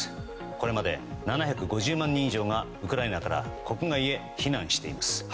これまで７５０万人以上がウクライナから国外へ避難しています。